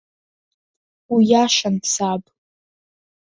Уиашан, саб!